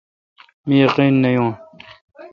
مہ یقین نہ یون۔